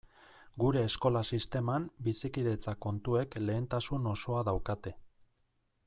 Gure eskola sisteman bizikidetza kontuek lehentasun osoa daukate.